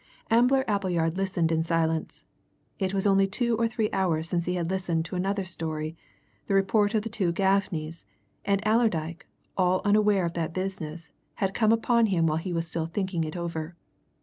Ambler Appleyard listened in silence. It was only two or three hours since he had listened to another story the report of the two Gaffneys, and Allerdyke, all unaware of that business, had come upon him while he was still thinking it over.